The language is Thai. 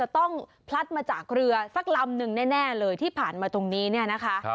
ต้องพลัดมาจากเรือสักลำหนึ่งแน่เลยที่ผ่านมาตรงนี้เนี่ยนะคะ